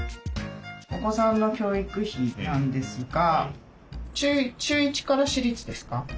お子さんの教育費なんですが中１から私立ですか？